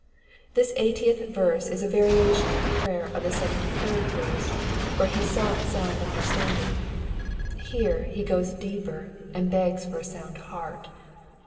This eightieth verse is a variation of the prayer of the seventy third verse ; there he sought sound understanding, here he goes deeper, and begs for a soimd heart.